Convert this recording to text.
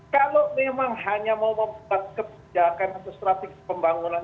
kalau memang hanya mau membuat kebijakan atau strategi pembangunan